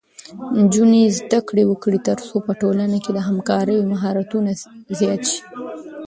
نجونې زده کړه وکړي ترڅو په ټولنه کې د همکارۍ مهارتونه زیات شي.